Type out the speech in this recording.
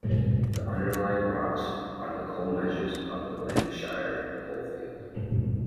The underlying rocks are the coal measures of the Lancashire Coalfield.